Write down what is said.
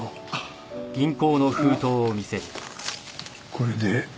これで。